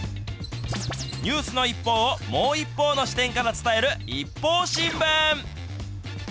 ニュースの一報をもう一方の視点から伝えるＩＰＰＯＵ新聞。